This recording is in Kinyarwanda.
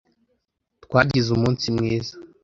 Twagize umunsi mwiza.